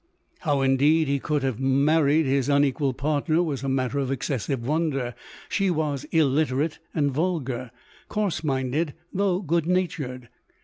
How indeed he could have mar ried his unequal partner was matter of exces sive wonder. She was illiterate and vulgar — coarse minded, though good natured.